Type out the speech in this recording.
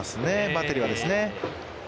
バッテリーはですね。